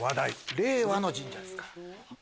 令和の神社ですから。